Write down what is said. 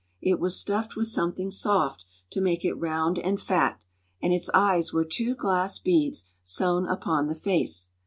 It was stuffed with something soft to make it round and fat, and its eyes were two glass beads sewn upon the face.